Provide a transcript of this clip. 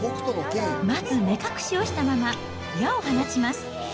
まず目隠しをしたまま矢を放ちます。